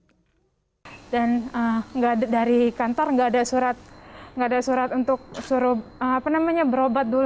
hai dan enggak dari kantor enggak ada surat enggak ada surat untuk suruh apa namanya berobat dulu